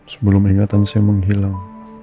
sebelum ingatan saya menghilang